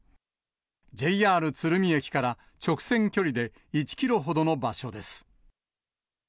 ＪＲ鶴見駅から直線距離で１キロほどの場所です。